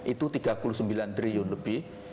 itu tiga puluh sembilan triliun lebih